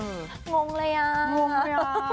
นั่นไงสวยอาจจะโสดก็ได้ไม่ผิด